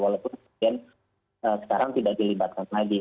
walaupun kemudian sekarang tidak dilibatkan lagi